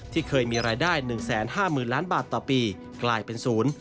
เคยมีรายได้๑๕๐๐๐ล้านบาทต่อปีกลายเป็นศูนย์